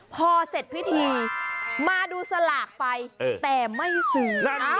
พอเสร็จพิธีมาดูสลากไปแต่ไม่ซื้อ